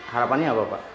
harapannya apa pak